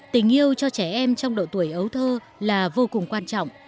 tình yêu cho trẻ em trong độ tuổi ấu thơ là vô cùng quan trọng